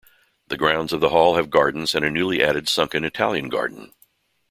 The grounds of the hall have gardens and a newly added sunken Italian garden.